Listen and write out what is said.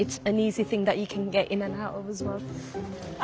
あ。